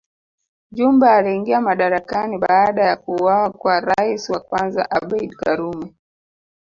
Jumbe aliingia madarakani baada ya kuuawa kwa rais wa kwanza Abeid Karume